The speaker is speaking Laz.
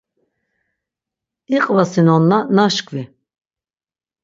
İqvasinonşa naşkvi.